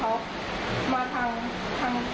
แล้วเขาก็ยังฟูหนูอีก